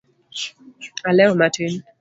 alewo matin